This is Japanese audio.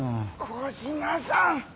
小島さん！